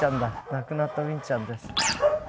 亡くなったウィンちゃんです。